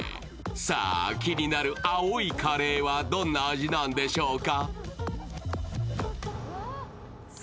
さあ、気になる青いカレーはどんな味なんでしょうか。